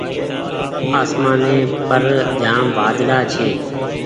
آسمآني پر جآم وآۮڙآ ڇي۔